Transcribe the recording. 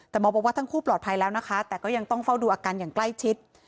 แต่หมอบอกว่าทั้งคู่ปลอดภัยแล้วนะคะแต่ก็ยังต้องเฝ้าดูอาการอย่างใกล้ชิด